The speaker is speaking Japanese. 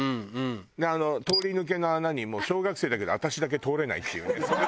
あの通り抜けの穴に小学生だけど私だけ通れないっていうね。